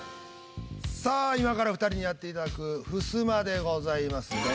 さあ今から２人にやっていただくふすまでございます。